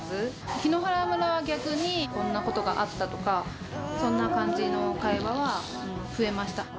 檜原村は逆に、こんなことがあったとか、そんな感じの会話は増えました。